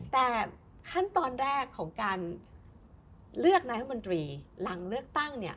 แต่ขั้นตอนแรกของการเลือกนายธมนตรีหลังเลือกตั้งเนี่ย